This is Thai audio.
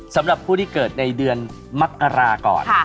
สำหรับผู้ที่เกิดในเดือนมกราก่อน